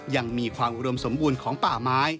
ยังมีความอุดมสมบูรณ์ของป่าไม้